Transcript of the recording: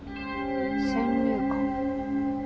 先入観。